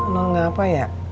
nol gak apa ya